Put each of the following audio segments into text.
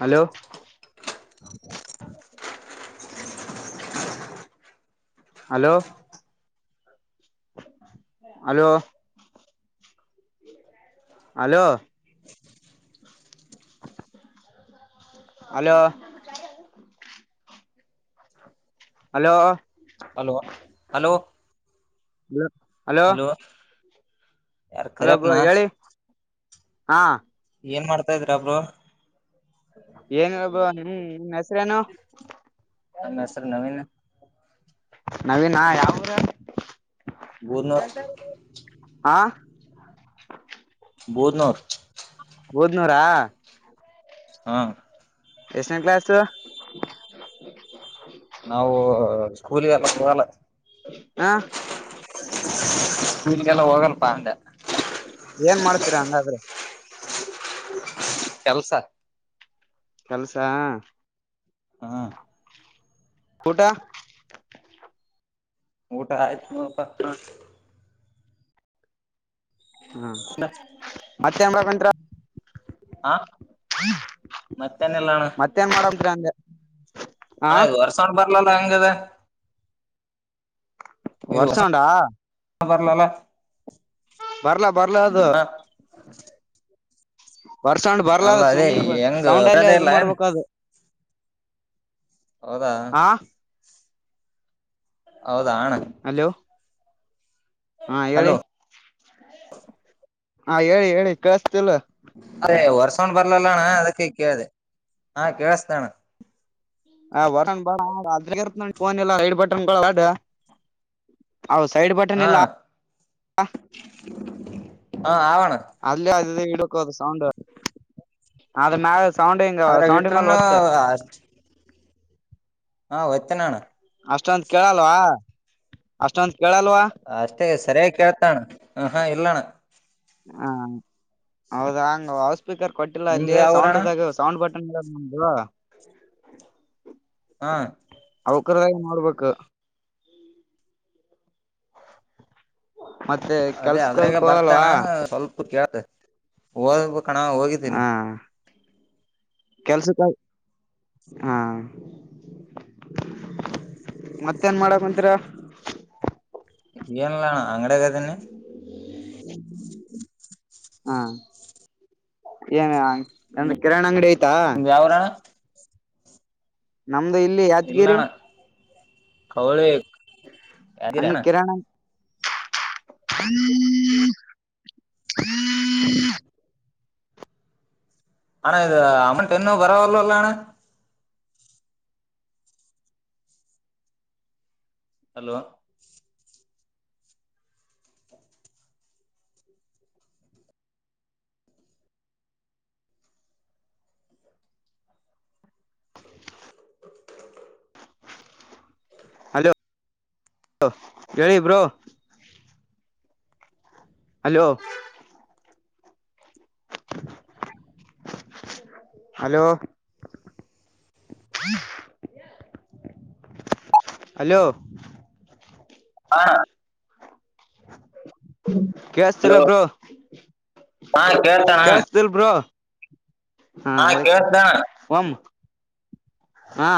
Hello hello hello hello hello hello hello hello ಇಲ್ಲ hello ಯಾರ hello bro ಕರಿಪ್ನ ಹೇಳಿ ಹಾ ಏನ್ ಮಾಡ್ತಾ ಇದ್ರಬ್ರು [inaudible] ಏನ್ಬೋ ನಿ ನಿ ಹೆಸ್ರೇನು [inaudible] ನಮ್ಮ ಹೆಸರು ನವೀನ್ ನವೀನಾ ಯಾವ ಬೂದ್ನೂರ್ ಹ [inaudible] ಬುದ್ನೂರ್ [inaudible] ಬೂದ್ ನೂರಾ [inaudible] ಹಾ [inaudible] ಎಷ್ಟನೆ ಕ್ಲಾಸ್ [inaudible] ನಾವು ಸ್ಕೂಲ್ಗೆ ಎಲ್ಲ ಹೋಗಲ್ಲ. ಹಾ. ಸ್ಕೂಲ್ಗೆಲ್ಲ ಹೋಗಲ್ಪಾ ಅಂದೆ. ಏನ್ ಮಾಡ್ತೀರಾ ಹಂಗಾದ್ರೆ. ಕೆಲ್ಸ. ಕೆಲ್ಸ. ಹಾ. ಊಟ. ಊಟ ಆಯ್ತ್ ನೋಡ್ಪ ಹೂ. ಹ್ಮ ಮತ್ತೆ ಏನ್ರ [inaudible] ಹಾ ಮತ್ತೇನಿಲ್ಲ ಮತ್ತೇನ್ ಮಾಡೋಮ ರಿ ಅಂದೆ. ಹಾ ಅದು ವರ್ಷಾನ ಬರಲಲ್ಲ ಹೆಂಗ ಇದ. ವರ್ಷ ಉಂಡಾ [unintelligible] ಬರ್ಲಲ್ಲ [unintelligible] ಬರ್ಲಾ ಬರ್ಲಾ ಅದು [unintelligible] ಬರ್ಸೌಂಡ್ ಅಲ್ಲ ಬರ್ಲದು ಅದೇ ಸುಂಗ್ ಹೆಂಗ ಸೌಂಡ್ಲ್ಲೇ ಬರದೇ ಅದು ಇಲ್ಲ ಏನ್ ಮಾಡ್ಬೇಕ ಅದು [inaudible] ಹೌದಾ. ಹಾ ಹೌದಾ ಅಣ್ಣ. ಹಲೋ ಹಾ ಹೇಳಿ ಹಲೋ ಹಾ ಹೇಳಿ ಹೇಳಿ ಕಳ್ಸ್ತಿಲ್ಲ. ಅದೇ ವರ್ಸೊಂಡ್ ಬರ್ಲಲ್ಲಣ್ಣ ಅದಕ್ಕೆ ಕೇಳ್ದ ಹಾ ಕೇಳಸ್ತಣ. ಆ ಬಟನ್ ಬ [inaudible] ಅ ನೋ ಫೋನ್ ಎಲ್ಲ ಸೈಡ್ ಬಟನ್ ಅಡ. [inaudible] ಅವ ಸೈಡ್ ಬಟನ್ ಹಾ ಇಲ್ಲ [inaudible] ಹಾ ಅವ. ಅಲ್ಲಿ ಅ ಇಡಕ್ ಅದು ಸೌಂಡ್ ಅದರ ಮ್ಯಾಲ. ಸಾವಂಡ ಹಿಂಗ ಅದ್ರಾಗ ಸೌಂಡಿ ಮ್ಯಾಲ ಇಟ್ರನು ಒತ್ತ. ಅಷ್ಟ ಹಾ ಒತ್ತನ ಅಣ್ಣ. ಅಷ್ಟೊಂದ ಕೇಳಲ್ವಾ ಅಷ್ಟೊಂದ ಕೇಳಲ್ವಾ. ಅಷ್ಟೇ ಸರಿಯಾಗಿ ಕೇಳ್ತಣ್ಣ ಹ ಹಾ ಇಲ್ಲಣ್ಣ. ಹಾ ಹೌದಾ ಹಂಗ ಹೌಸ್ ಸ್ಪೀಕರ್ ಕೊಟ್ಟಿಲ್ಲ ನಿಮ್ದ ಅಲ್ಲಿ ಯಾವಊರಣ ಸೌಂಡ್ದಾಗ ಸೌಂಡ್ ಬಟನ್. [unintelligible] ಹಾ ಅವಕರದಾಗಿ ನೋಡ್ಬೇಕು. ಮತ್ತೆ ಅದೇ ಕೆಲ್ಸಕ್ ಅದ್ರಾಗ ಅದಕ್ ಬರ್ತಾನ ಹೋಗಲ್ವಾ ಸ್ವಲ್ಪ ಕೇಳ್ದೆ. ಹೋಗಬೇಕ ಅಣ್ಣ ಹೋಗಿದ್ದೀನಿ. ಕೆಲ್ಸಕ್ಕೆ ಹಾ. ಮತ್ತೇನ್ ಮಾಡಕ್ಕುಂತಿರ. ಏನಿಲ್ಲ ಅಣ್ಣ ಅಂಗಡಿಯಾಗ ಅದೇನಿ. [unintelligible] ಹಾ ಏನು ಕಿರಣ್ ಅಂಗಡಿ ಆಯ್ತಿ. ನಿಮ್ದ ಯಾವೂರನ್ನ. ನಮ್ದು ಇಲ್ಲಿ ಯಾದಗಿರಿ. ಕವಳೆ. ಹಂಗ ಕಿರಾಣಿ [unintelligible] ಅಣ್ಣ ಇದು ಅಮೌಂಟ್ ಇನ್ನೂ ಬರವಲ್ಲು ಅಲಾ. ಹಲೋ. ಹಲೋ ಹೇಳಿ ಬ್ರೋ. ಹಲೋ. [unintelligible] ಹಲೋ. ಹಲೋ. ಹಾ. ಹಲೋ ಕಳ್ಸ್ತಿಲ್ಲ ಬ್ರೋ ಹಾ ಕೇಳ್ತಣ ಕೇಳಸ್ತಿಲ್ ಬ್ರೋ. ಹಾ ಅದಕ್ಕೆ ಒಮ ಹಾ.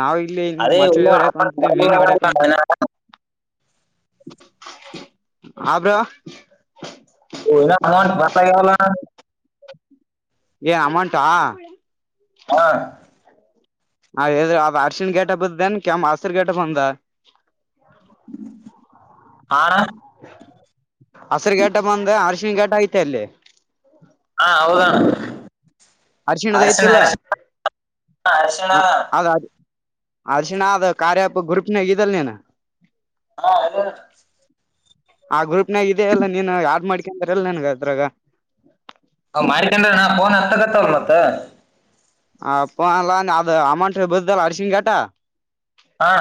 ನಾವವು ಇಲ್ಲಿನ್ ಅದೇ ಮಚ್ಚಳ ಓಡ್ಯಕ್ ಹೊಂತಿದೀವಿ ಮೀನ್ ಹೊಓಡಕ್ ಹೊಂತವಿ. ಹಬ್ರ. ನ ಅೌಟ್ ಬತ್ತಾಗಲ್ಲ. ಏ ಅಮೌಂಟಾ. ಅಣ್ಣ ಹಾ ಹ ಅದ್ ಅರ್ಶಿನ್ ಗೇಟ ಬದಏನ್ ಕೆಮ್ಮ ಹಸಿರು ಗೇಟ ಬಂದ. ಹ. ಹಸರು ಗೇಟ ಬಂದ ಅರ್ಶಿಿನಿ ಗೇಟ ಐತೆ ಅಲ್ಲಿ. ಹಾ ಹೌದ ಅಣ್ಣ. ಅರಿಶಿಣದ ಐತಿ ಇಲ್ಲೋ. ಹಾ ಅರ್ಶಿಣ ಹ ಅದ ಅ ಅರಿಶಿನ ಅದ ಕಾರ್ಯ ಆಪ್ ಗ್ರೂಪ್ನ್ಯಾಗ್ ಅದಿ ಇಲ್ಲೋ ನೀನ. ಹಾ ಅದು ಆ ಗ್ರೂಪ್ನಾಗ ಇದದೆ ಎಲ್ಲ ನೀನು ಯ್ದ ಮಾಡ್ಕಂದ ಎಲ್ಲ ನನ್ಗ ಅದ್ರಾಗ. ಹ ಮಾಡಿಕನ್ನಾ ಫೋನ್ ಹತ್ತಗತ್ತವಲ್ ಮತ್ತ. ಅಪ್ಪಲ್ಲಾ ಅದು ಅಮಂ ಬಸಲ್ಲ ಅರಿಶಿನ್ ಕಟಾ. ಹಾ.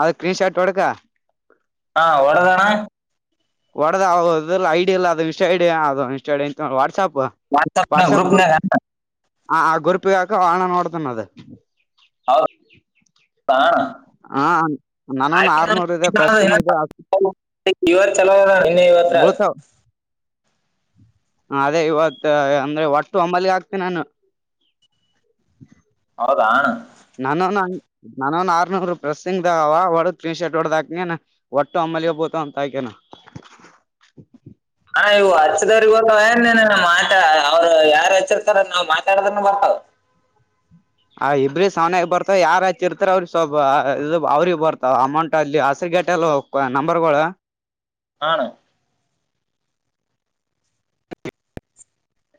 ಅದ ಕ್ರೀನ್ ಶರ್ಟ್ ಒಡುಕ. ಹಾ ಳ್ಳದಣ. ಒಡದದ ಐಡಿಿಯ ಇಲ್ಲ ಅದು ಇಸ್ ಐಡಾ ಅದು ಇ ವಾಟ್ಸ್ಆಪ್. ವಾಟ್ಸಪ್ ನ ಗ್ರೂಪ್ ನ. ಆ ಆ ಗೊರ್ಪಗಕ ಆಳನ್ನು ನೋಡ್ತನದು. ತಾಣ. ಹ ನಾನವನ್ ಆರ್ನೂರ್ ಇದೆ ಪಸ್ಸಿಂಗ್ ಇದೆ. ಇವರ್ ಚಲವ ಇನ್ನ ಯವತ್ರ. ಬೀಳ್ತಾವ್ ಅದೇ ಇವತ್ತು ಅಂದ್ರೆ ಒಟ್ಟು ಅಂಬಲ್ಿಗೆ ಆಕ್ತೇ ನಾನು. [inaudible] ಹೌದಾ. ನಾನೊನ್ ನಾನನ್ ಆರ್ನೂರು ಪ್ರೆಸ್ ಸಿಂಗದ ಒಡ ಟೀನ್ ಶರ್ಟ್ ಹೊಡ್ದಾಕ ಒಟ್ಟ. ಮಿಯ ಬತ ಅಂತ ಆಯ್ಕನಾ. [inaudible] ಹಾ ಇವು ಹಚ್ಚದವ್ರಿಗೆ ಗತ್ತ ಏನ್ನ ಮಾತಾ ಅವ್ರು ಯಾರು ಹಚ್ಚಿರ್ತಾರ ನಾವ್ ಮಾತಾಡದನ್ನ ಬರ್ತವ. [inaudible] ಆ ಇಬ್ರಿ ಸಾವನ್ಯಾಗ ಬರ್ತಾವ ಯಾರ ಹಚ್ಚಿರ್ತಾರ ಅವ್ರಿಗೆ ಸ್ವಲ್ ಅವ್ರಿಗೆ ಬರ್ತಾವ ಅಮೌಂಟ್ ಅಲ್ಲಿ ಹಸ ಗಟ್ಟ. ನಂಬರ್ಗಳು. ಹಣ.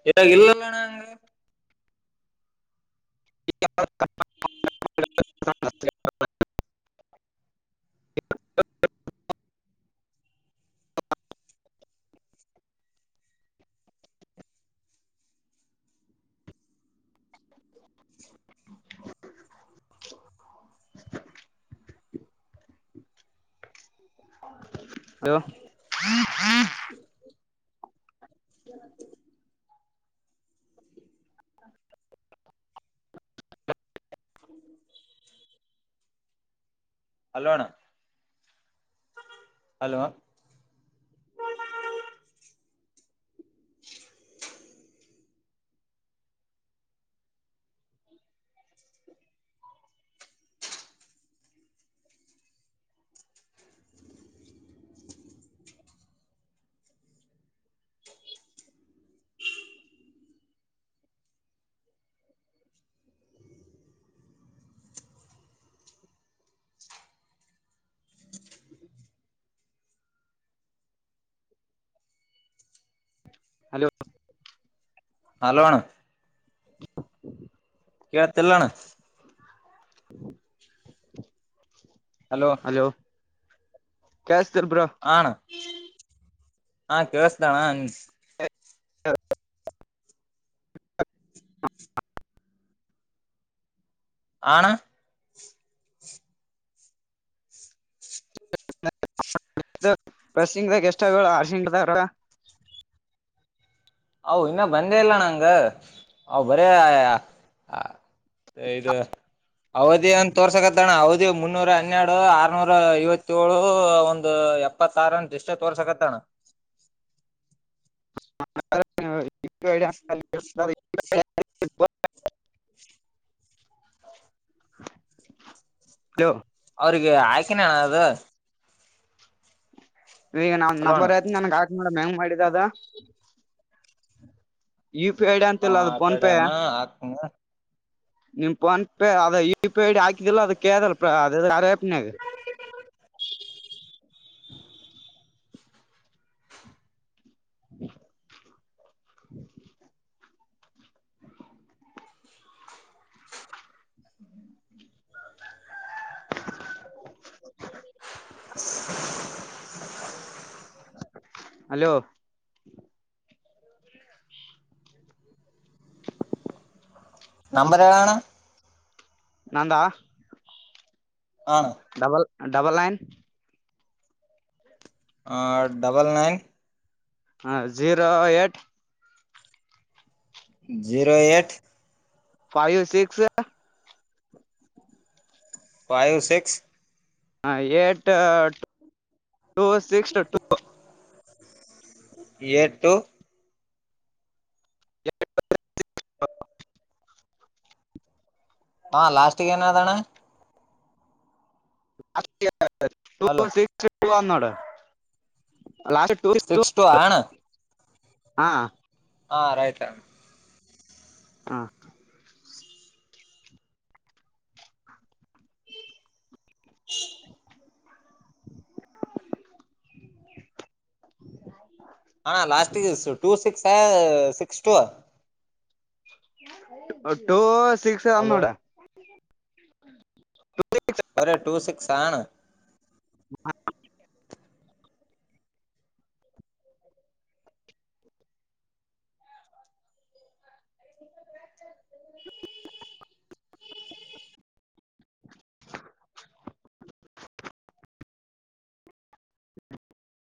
ಇಗಲ್ಲಲ್ಲಣಂಗ. ಇ. ಹೋ. ಅಲ್ಲೋಣ. ಹಲೋ. [unintelligible] ಹಲೋ. ಹಲೋ ಅಣ್ಣ [unintelligible] ಕಳ್ತಲ್ಲಣ. ಹಲೋ. ಕ ಸ್ತರ್ಬ್ರಾ. ಅಣ್ಣ ಹಾ ಕಸ್ದಾನಾನ್. ಆಣ. [unintelligible] ಪ್ರಸಿಂಗದ ಗೆಷ್ಟಗಳು ಹಸಿಂಗದಾರ. ಅ ಇನ್ನ ಬಂದೇ ಇಲ್ಲ ನಂಗ ಅವ್ ಬರ. ಇದು. ಅವದಿ ಒಂದ ತೋರ್ಸಕತ್ತಣ್ಣ ಅವದಿ ಮುನ್ನೂರ ಹನ್ನೆರಡು ಆರ್ನೂರ ಐವತ್ತಏಳು ಒಂದು. ಎಪ್ಪತ್ತಾರ ಅಂತ ಇಷ್ಟೆ ತೋರ್ಸಕತ್ತಣ. [unintelligible] ನ. [unintelligible] ಹಲೋ. ಅವ್ರಿಗೆ ಆಯ್ಕನಣ ಅದು. ಈಗ ನಾವ ಹಲೋ ಅಣ್ಣ ನಬರ್ ಆಯತ್ ನನ್ಗೆ ಹಾಕ್ ನೋಡ ಹೆಂಗ್ ಮಾಡಿದ ಅದ. ಯು ಪಿ ಐ ಐಡ ಆ ಅಂತಲ್ಲ ಅದು ಫೋನ್ ತಡಿ ಪೇ. ಅಣ್ಣ ಹಾಕ್ತೀನಿ ನಿಮ್ ಫೋನ್ಪೇ ಅದ ಯುಪಿ ಐ ಹಾಕಿದಿಲ್ಲ ಅದ ಕೇಳದಲ್ಲ ಅ ಅರ್ಯಾಪನಾಗ. [unintelligible] [unintelligible] [unintelligible] ಹಲೋ. ನಂಬರ್ ಳಾನ. ನಂದಾ. ಹಾ ಡಬಲ್ ಡಬಲ್ ನೈನ್. ಆ ಡಬಲ್ ನೈನ್. ಹ zero eight. Zero eight. Five six. Five six. ಹ eight two six two. Eight. ಹಾ ಲಾಸ್ಟ್ಗ ಏನಾದಣ್ಣ. ಟ ಹಲೋ ಸಿಕ್ಸ್ ಅನ್ನೋಡ. ಸಿಕ್ಸ್ ಟು ಹಣ. ಹಾ. ಹಾ ರೈ್ತಾಮ. ಹಾ. ಹ್ಮ. ಹಾ last two six six two. Two six ಅ್ ಅಲೋ ನೋಡ. [unintelligible] ಒರ ಟೂ ಸಿಕ್ಸ್ಾನ. ಮ. [unintelligible]